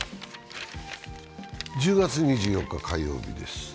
１０月２４日火曜日です。